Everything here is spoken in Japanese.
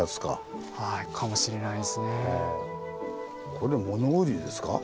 これ物売りですか？